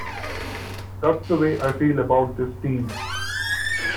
That's the way I feel about this team.